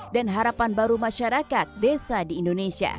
dan harapan baru masyarakat desa di indonesia